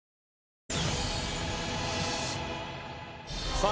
さあ